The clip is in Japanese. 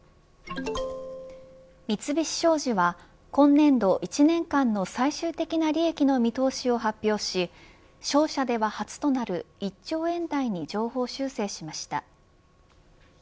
三菱商事は今年度１年間の最終的な利益の見通しを発表し商社では初となる１兆円台に上方修正しました。